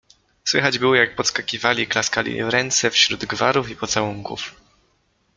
Słychać było, jak podskakiwali, klaskali w ręce, wśród gwarów i pocałunków.